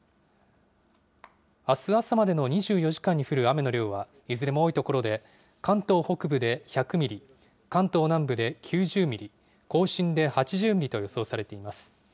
あす朝までの２４時間に降る雨の量は、いずれも多い所で、関東北部で１００ミリ、関東南部で９０ミリ、甲信で８０ミリと予想されています。